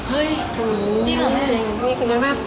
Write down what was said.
เฮ้ยจริงเหรอแม่